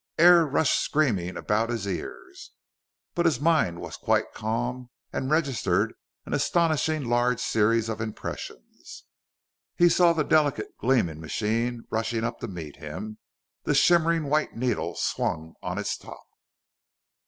Air rushed screaming about his ears. But his mind was quite calm, and registered an astonishingly large series of impressions. He saw the delicate, gleaming machine rushing up to meet him, the shimmering white needle swung on its top.